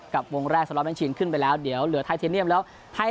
กับวงแรกขึ้นไปแล้วเดี๋ยวเหลือแล้ว